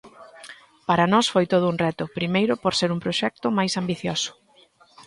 Para nós foi todo un reto, primeiro por ser un proxecto máis ambicioso.